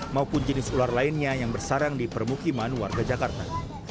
maupun jenis ular lainnya yang bersarang di permukiman warga jakarta